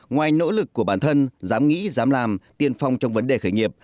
ngoài nỗ lực của bản thân dám nghĩ dám làm tiên phong trong vấn đề khởi nghiệp